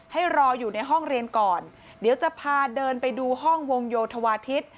ให้รออยู่ในห้องเรียนก่อนเดี๋ยวจะพาเดินไปดูห้องวงโยธวาทิศ